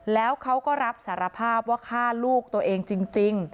แล้วเขาก็รับสารภาพว่าฆ่าลูกตัวเองจริง